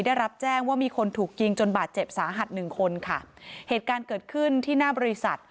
ได้รับแจ้งว่ามีคนถูกยิงจนบาดเจ็บสาหัสหนึ่งคนค่ะเหตุการณ์เกิดขึ้นที่หน้าบริษัท